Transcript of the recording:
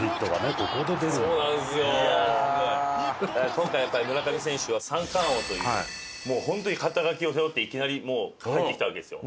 今回やっぱり村上選手は三冠王というもうホントに肩書を背負っていきなり入ってきたわけですよ。